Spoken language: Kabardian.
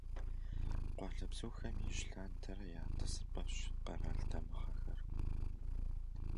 Къуалэбзухэм ижь лъандэрэ я «тӀысыпӀэщ» къэрал дамыгъэхэр.